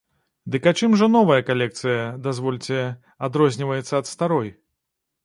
Дык а чым жа новая калекцыя, дазвольце, адрозніваецца ад старой?